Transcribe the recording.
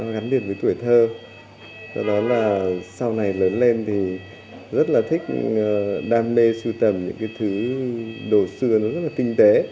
gắn điện với tuổi thơ do đó là sau này lớn lên thì rất là thích đam mê sưu tầm những thứ đồ xưa rất là tinh tế